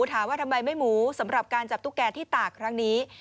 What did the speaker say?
ถามว่าทำไมไม่หมูสำหรับการจับตุ๊กแก่ที่ตากครั้งนี้